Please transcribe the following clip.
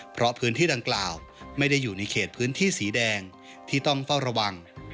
เพราะพื้นที่ดังกล่าวไม่ได้อยู่ในเขตพื้นที่สีแดงที่ต้องเฝ้าระวัง